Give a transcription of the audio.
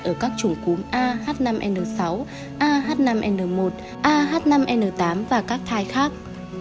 ở các chủng cúm ah năm n sáu ah năm n một ah năm n tám và các thai khác